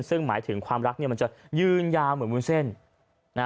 ซึ่งหมายถึงความรักเนี่ยมันจะยืนยาวเหมือนวุ้นเส้น